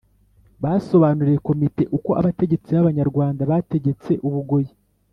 basobanuriye Komite uko abategetsi b'Abanyarwanda bategetse u Bugoyi,